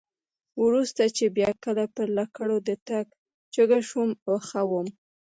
وروسته چې بیا کله پر لکړو د تګ جوګه شوم او ښه وم.